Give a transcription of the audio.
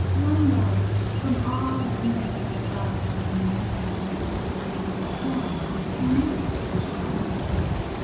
One love from all the million loves of men and women one, but enough for Eternity!